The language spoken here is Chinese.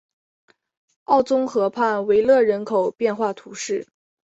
奥宗河畔维勒人口变化图示